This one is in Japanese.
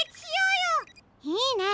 いいね！